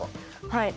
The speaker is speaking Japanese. はい。